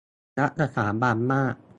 - รักสถาบันมาก